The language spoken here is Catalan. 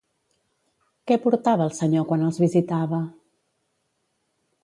Què portava el senyor quan els visitava?